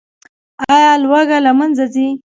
آیا لوږه له منځه ځي؟